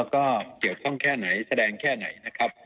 ก็เกี่ยวข้องแค่ไหนแสดงแค่ไหนนะครับ